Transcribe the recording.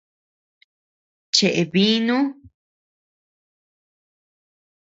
Cheʼe binu.